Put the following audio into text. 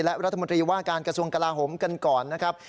และรัฐมนตรีว่าการกระทรวงกลาโหมกันก่อนนะครับ